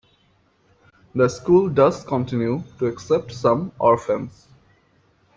The school does continue to accept some orphans.